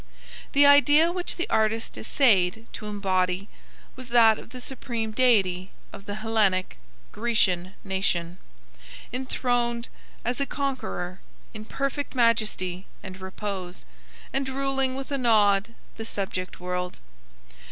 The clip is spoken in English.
The idea which the artist essayed to embody was that of the supreme deity of the Hellenic (Grecian) nation, enthroned as a conqueror, in perfect majesty and repose, and ruling with a nod the subject world.